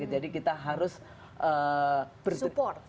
jadi kita harus support